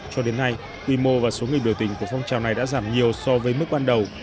cho đến nay quy mô và số người biểu tình của phong trào này đã giảm nhiều so với mức ban đầu